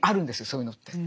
そういうのって。